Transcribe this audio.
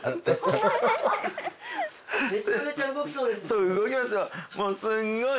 そう動きますよ。